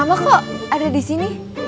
mama kok ada disini